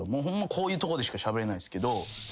こういうとこでしかしゃべれないっすけど。